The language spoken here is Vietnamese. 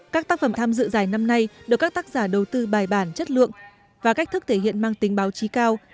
các tác phẩm tham dự giải năm nay được các tác giả đầu tư bài bản chất lượng và cách thức thể hiện mang tính báo chí cao